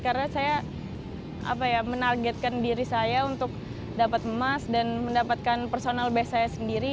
karena saya apa ya menargetkan diri saya untuk dapat emas dan mendapatkan personal base saya sendiri